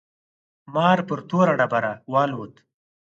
مار پر توره ډبره والوت.